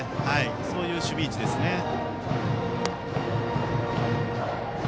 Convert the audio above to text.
そういう守備位置ですね。